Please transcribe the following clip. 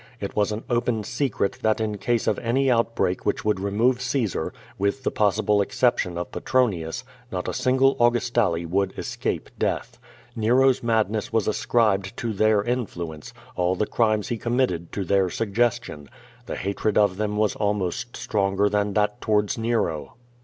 It was an open secret that in case of any out break which would remove Caesar, with the possible exception of Petronius, not a single Augustale would escape death. Nero's madness was ascribed to their influence, all the crimes he committed to their suggestion. The hatred of them was almost stronger than that towards Nero.